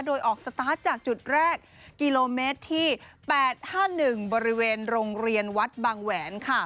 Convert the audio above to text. โดยออกสตาร์ทจากจุดแรกกิโลเมตรที่๘๕๑บริเวณโรงเรียนวัดบางแหวนค่ะ